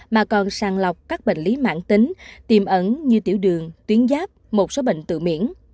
mà còn sàng lọc các bệnh lý mạng tính tiềm ẩn như tiểu đường tuyến giáp một số bệnh tự miễn